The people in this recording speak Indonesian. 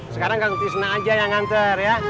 sekarang kan tisna aja yang nganter ya